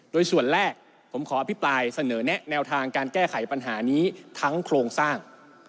โดยส่วนแรกผมขออภิปรายเสนอแนะแนวทางการแก้ไขปัญหานี้ทั้งโครงสร้าง